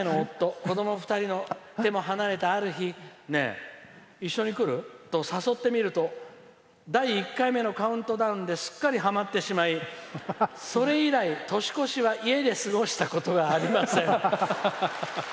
子供２人の手も離れたある日ねえ、一緒に来る？と誘ってみると第１回目のカウントダウンですっかりはまってしまいそれ以来、年越しは家で過ごしたことがありません」。